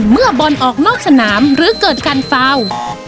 เมื่อบอลออกนอกสนามหรือเกิดการฟาว